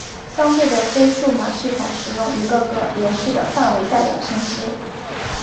相对的非数码系统使用一个个连续的范围代表信息。